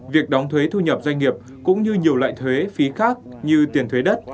việc đóng thuế thu nhập doanh nghiệp cũng như nhiều loại thuế phí khác như tiền thuế đất